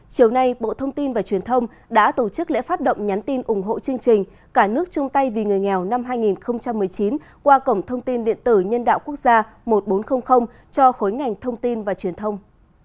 chiều nay bộ thông tin và truyền thông đã tổ chức lễ phát động nhắn tin ủng hộ chương trình cả nước chung tay vì người nghèo năm hai nghìn một mươi chín qua cổng thông tin điện tử nhân đạo quốc gia một nghìn bốn trăm linh cho khối ngành thông tin và truyền thông